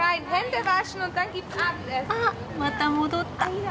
あっまた戻った！